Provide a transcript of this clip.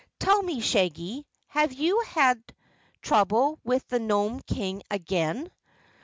Tell me, Shaggy, have you had trouble with the Nome King again?"